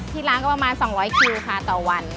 ที่ร้านก็ประมาณ๒๐๐กิโลกรัมค่ะต่อวัน